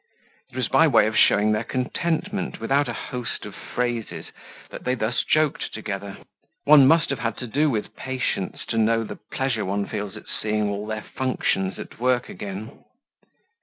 It was by way of showing their contentment without a host of phrases that they thus joked together. One must have had to do with patients to know the pleasure one feels at seeing all their functions at work again.